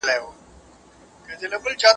پر موږ باندې د علم غلبه څه معنی لري؟